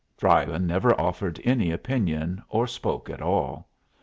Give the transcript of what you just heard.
Drylyn never offered any opinion, or spoke at all.